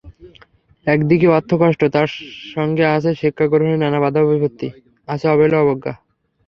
একদিকে অর্থকষ্ট, তার সঙ্গে আছে শিক্ষা গ্রহণে নানা বাধাবিপত্তি, আছে অবহেলা-অবজ্ঞা।